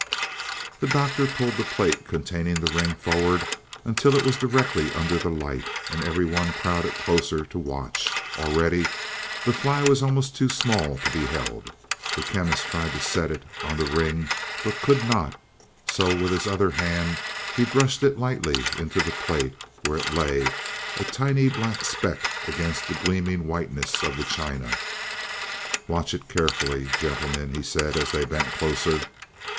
The Doctor pulled the plate containing the ring forward until it was directly under the light, and every one crowded closer to watch; already the fly was almost too small to be held. The Chemist tried to set it on the ring, but could not; so with his other hand he brushed it lightly into the plate, where it lay, a tiny black speck against the gleaming whiteness of the china. "Watch it carefully, gentlemen," he said, as they bent closer.